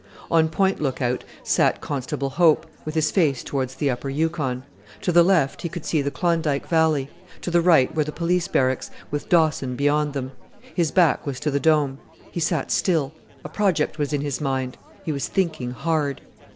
On Point Lookout sat Constable Hope, with his face towards the Upper Yukon. To the left he could see the Klondike Valley; to the right were the Police Barracks, with Dawson beyond them. His back was to the Dome. He sat still; a project was in his mind; he was thinking hard.